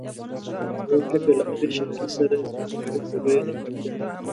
زما په فکر له امیر شېر علي سره زموږ اړیکو لویه نیمګړتیا ده.